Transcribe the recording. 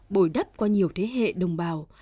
bồi đắp qua nhiều thế hệ đồng bào